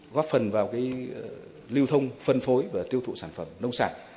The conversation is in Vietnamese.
góp phần vào lưu thông phân phối và tiêu thụ sản phẩm nông sản